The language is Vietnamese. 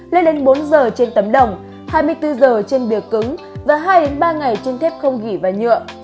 lên bốn giờ trên tấm đồng hai mươi bốn giờ trên bìa cứng và hai ba ngày trên thép không ghi và nhựa